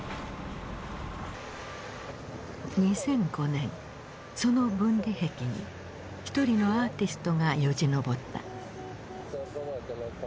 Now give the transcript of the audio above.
２００５年その分離壁に一人のアーティストがよじ登った。